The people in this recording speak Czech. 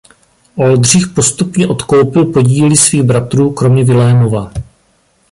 Oldřich postupně odkoupil podíly svých bratrů kromě Vilémova.